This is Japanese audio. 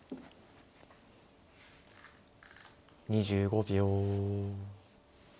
２５秒。